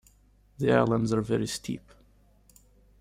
The islands are very steep.